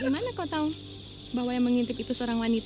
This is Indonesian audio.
bagaimana kau tahu bahwa yang mengintip itu seorang wanita